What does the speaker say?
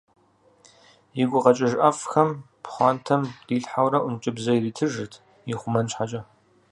И гукъэкӏыж ӏэфӏхэр пхъуантэм дилъхьэурэ ӏункӏыбзэ иритыжырт ихъумэн щхьэкӏэ.